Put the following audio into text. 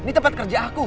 ini tempat kerja aku